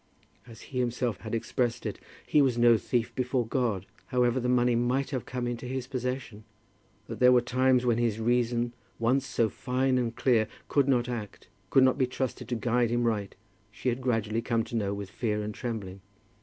As he himself had expressed it, he was no thief before God, however the money might have come into his possession. That there were times when his reason, once so fine and clear, could not act, could not be trusted to guide him right, she had gradually come to know with fear and trembling.